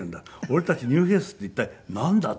俺たちニューフェイスって一体なんだ？